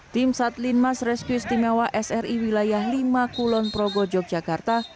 tim satlin mas rescue istimewa sri wilayah lima kulon progo yogyakarta